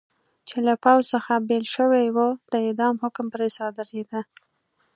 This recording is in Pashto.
چې له پوځ څخه بېل شوي و، د اعدام حکم پرې صادرېده.